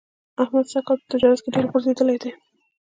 احمد سږ کال په تجارت کې ډېر غورځېدلی دی.